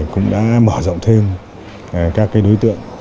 cũng đã mở rộng thêm các cái đối tượng